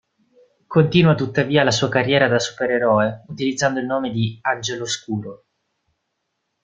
Continua tuttavia la sua carriera da supereroe utilizzando il nome di "Angelo Oscuro".